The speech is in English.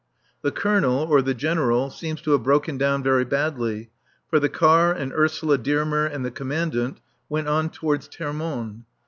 The Colonel (or the General) seems to have broken down very badly, for the car and Ursula Dearmer and the Commandant went on towards Termonde.